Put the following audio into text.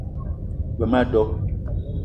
G-beu ma a do